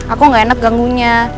aku gak enak ganggunya